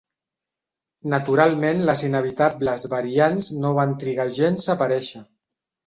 Naturalment les inevitables variants no van trigar gens a aparèixer.